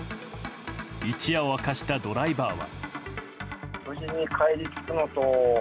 一夜を明かしたドライバーは。